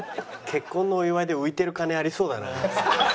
結婚のお祝いで浮いてる金ありそうだな。